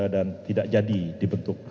dan tidak jadi dibentuk